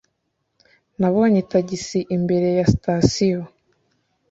nabonye tagisi imbere ya sitasiyo